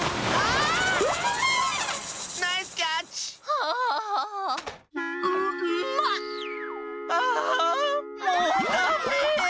はあもうダメ。